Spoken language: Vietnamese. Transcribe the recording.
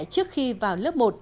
trước khi vào lớp một